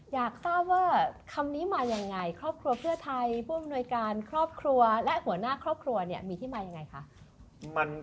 อยากทราบว่าคำนี้มายังไงครอบครัวเพื่อไทยผู้อำนวยการครอบครัวและหัวหน้าครอบครัวเนี่ยมีที่มายังไงคะ